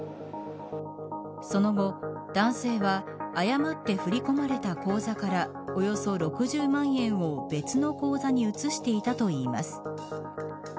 その後、男性は誤って振り込まれた口座からおよそ６０万円を別の口座に移していたといいます。